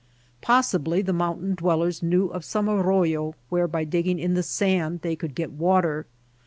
Possibly the mountain dwellers knew of some arroyo where by digging in the sand they could get water.